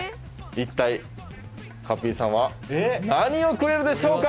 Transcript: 一体かっぴーさんは何をくれるでしょうか？